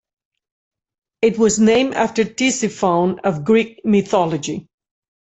It was named after Tisiphone of Greek mythology.